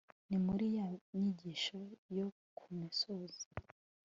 ni muri ya nyigisho yo ku musozi